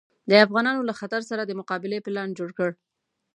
د افغانانو له خطر سره د مقابلې پلان جوړ کړ.